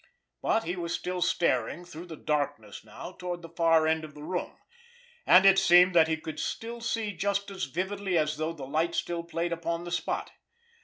But he was still staring, through the darkness now, toward the far end of the room—and it seemed that he could still see just as vividly as though the light still played upon the spot.